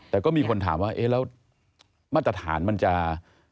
แต่ก็มีคนถามว่าเอ๊ะแล้วมาตรฐานมันจะ